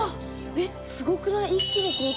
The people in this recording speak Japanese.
えっすごくない？